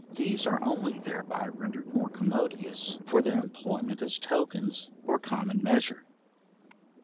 These are only thereby rendered more commodious for their employment as tokens, or common measure.